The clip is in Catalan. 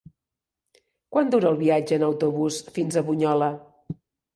Quant dura el viatge en autobús fins a Bunyola?